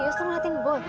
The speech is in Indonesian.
lo mau ngelewatin ke bawah